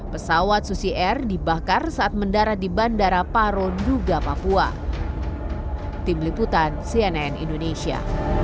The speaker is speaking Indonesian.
pesawat susi air dibakar saat mendarat di bandara paro duga papua